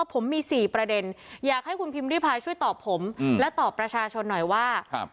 ผมมี๔ประเด็นอยากให้คุณพิมพิพายช่วยตอบผมและตอบประชาชนหน่อยว่า